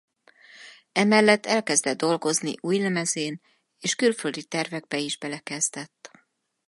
Emellett elkezdett dolgozni új lemezén és külföldi tervekbe is belekezdett.